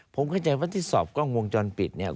ผมเข้าใจว่าที่สอบกล้องวงจรปิดเนี่ย